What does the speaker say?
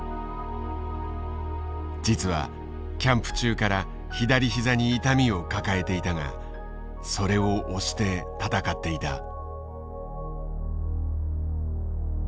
実はキャンプ中から左膝に痛みを抱えていたがそれを押して戦っていた。